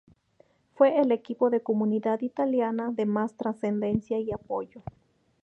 Fue el equipo de comunidad italiana de más transcendencia y apoyo.